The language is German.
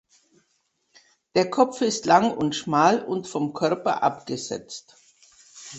Der Kopf ist lang und schmal und vom Körper abgesetzt.